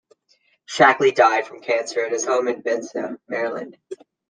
Shackley died from cancer at his home in Bethesda, Maryland.